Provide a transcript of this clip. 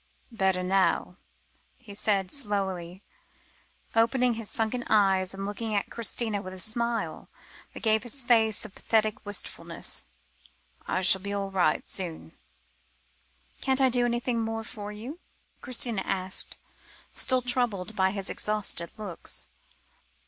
"Better now," he said slowly, opening his sunken eyes and looking at Christina with a smile that gave his face a pathetic wistfulness. "I shall be all right soon." "Can't I do anything more for you?" Christina asked, still troubled by his exhausted looks.